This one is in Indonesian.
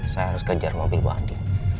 saya harus kejar mobil bu andi